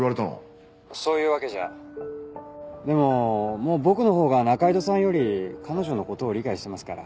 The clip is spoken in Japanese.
「そういうわけじゃ」でももう僕のほうが仲井戸さんより彼女の事を理解してますから。